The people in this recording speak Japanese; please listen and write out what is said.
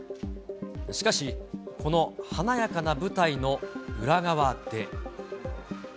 しかし、この華やかな舞台の裏側で。